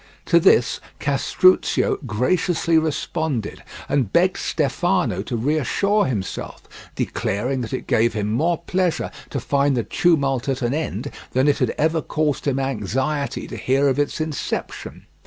To this Castruccio graciously responded, and begged Stefano to reassure himself, declaring that it gave him more pleasure to find the tumult at an end than it had ever caused him anxiety to hear of its inception.